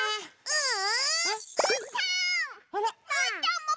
うん！